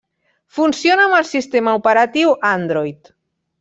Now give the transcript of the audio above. Funciona amb el sistema operatiu Android.